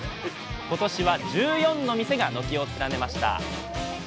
今年は１４の店が軒を連ねました。